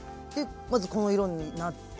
まずこの色になって。